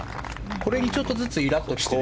これにちょっとずつイラッと来てる。